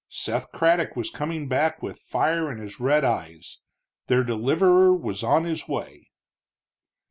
Seth Craddock was coming back with fire in his red eyes; their deliverer was on his way.